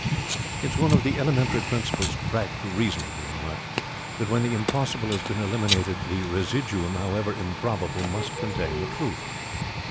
"It is one of the elementary principles of practical reasoning," he remarked, "that when the impossible has been eliminated the residuum, HOWEVER IMPROBABLE, must contain the truth.